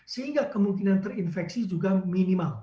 sehingga kemungkinan terinfeksi juga minimal